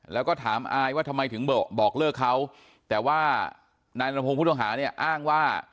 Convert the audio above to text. แล้วก็ถามอายว่าทำไมถึงบอกเลิกเขาแต่ว่านายนรพงศ์ผู้ต้องหาเนี่ยอ้างว่า